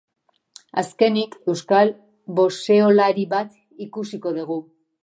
Azkenik, euskal boxeolari bat ikusiko dugu.